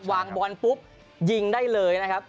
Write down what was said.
วางบอลปุ๊บยิงได้เลยนะครับ